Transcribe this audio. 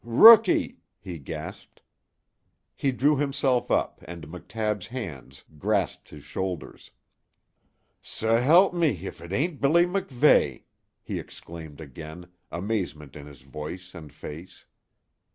"Rookie!" he gasped. He drew himself up, and McTabb's hands grasped his shoulders. "S'help me, if it ain't Billy MacVeigh!" he exclaimed again, amazement in his voice and face.